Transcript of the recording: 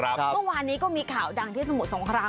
เมื่อวานนี้ก็มีข่าวดังที่สมุทรสงคราม